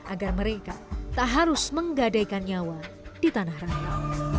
agar mereka tak harus menggadaikan nyawa di tanah raya